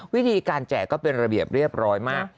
วิธีการแจกก็เป็นระเบียบเรียบร้อยมาก